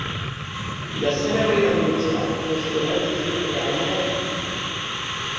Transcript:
لە سەرەوەی ئەم بورجە ڕێستۆرانتێکی خولاوە هەیە.